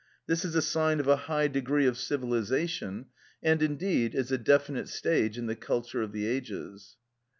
This is a sign of a high degree of civilisation, and indeed, is a definite stage in the culture of the ages.